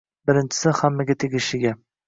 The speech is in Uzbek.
Birinchisi, hammaga tegishli gap